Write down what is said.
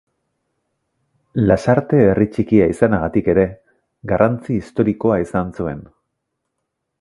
Lasarte herri txikia izanagatik ere, garrantzi historikoa izan zuen.